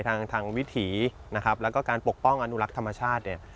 ทางวิถีและการปกป้องอนุรักษ์ธรรมชาติ